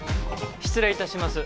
失礼いたします